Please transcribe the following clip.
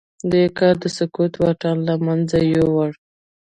دې کار د سکوت واټن له منځه يووړ.